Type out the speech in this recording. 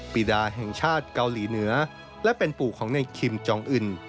ปีดาแห่งชาติเกาหลีเหนือและเป็นปู่ของในคิมจองอื่น